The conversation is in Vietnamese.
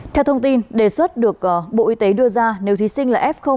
theo thông tin đề xuất được bộ y tế đưa ra nếu thí sinh là f